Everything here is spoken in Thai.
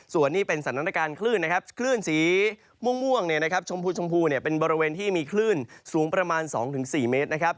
ส่วนนี้เป็นสถานการณ์คลื่นนะครับคลื่นสีม่วงชมพูชมพูเป็นบริเวณที่มีคลื่นสูงประมาณ๒๔เมตรนะครับ